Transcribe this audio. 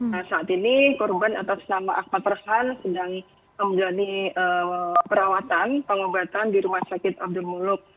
nah saat ini korban atas nama ahmad rosan sedang menjalani perawatan pengobatan di rumah sakit abdul muluk